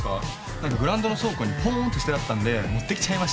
何かグラウンドの倉庫にぽんって捨ててあったんで持って来ちゃいました。